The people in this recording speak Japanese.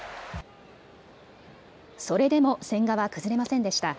それでも千賀は崩れませんでした。